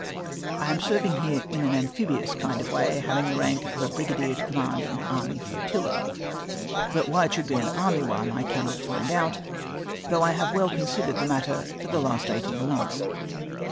" I am serving here in an amphibious kind of way — hav ing the rank of brigadier to command an ^^ army flotilla !"' but why it should be an "army" one I cannot find out, though I have well considered the matter /or the last eighteen mont/ts.